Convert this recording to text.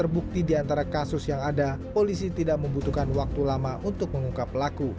bukti di antara kasus yang ada polisi tidak membutuhkan waktu lama untuk mengungkap pelaku